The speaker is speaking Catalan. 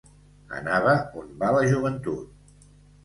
Anava on va la joventut